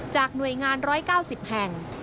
หน่วยงาน๑๙๐แห่ง